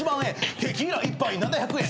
「テキーラ１杯７００円」